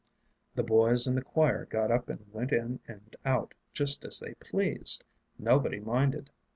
The boys in the choir got up and went in and out just as they pleased. Nobody minded.